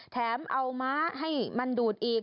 แถมเอาม้าให้มันดูดอีก